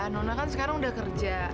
nona kan sekarang udah kerja